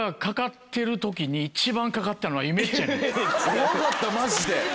怖かったマジで。